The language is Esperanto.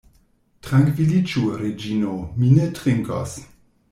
Trankviliĝu, Reĝino; mi ne trinkos.